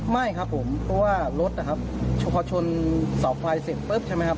ไม่ครับผมเพราะว่ารถนะครับพอชนเสาไฟเสร็จปุ๊บใช่ไหมครับ